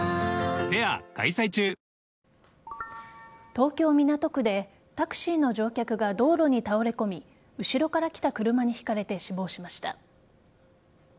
東京・港区でタクシーの乗客が道路に倒れ込み後ろから来た車にひかれて死亡しました。